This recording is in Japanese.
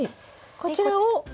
こちらを。